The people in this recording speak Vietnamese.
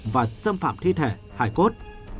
và xâm phạm thi thể hải cốt